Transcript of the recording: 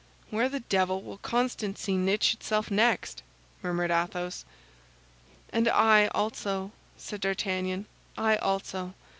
"Where the devil will constancy niche itself next?" murmured Athos. "And I, also," said D'Artagnan, "I also.